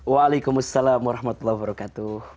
waalaikumsalam warahmatullahi wabarakatuh